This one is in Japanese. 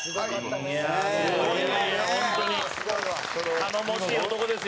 頼もしい男ですよ。